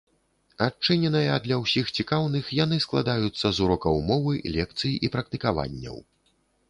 Адчыненыя для ўсіх цікаўных, яны складаюцца з урокаў мовы, лекцый і практыкаванняў.